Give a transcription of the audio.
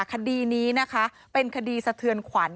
คดีนี้นะคะเป็นคดีสะเทือนขวัญ